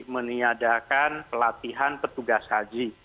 meniadakan pelatihan petugas haji